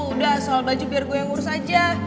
udah soal baju biar gue yang ngurus aja